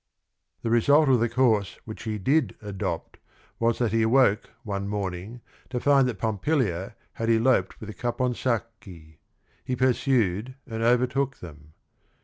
The result of the course which he did adopt was that he awoke one morning to find that Pompilia had eloped with Caponsacchi. He pursued and overtook them.